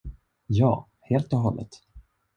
Ja, helt och hållet.